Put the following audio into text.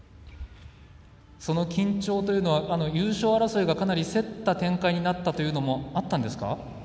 その緊張というのは優勝争いがかなり競った展開になったというのもあったんですか？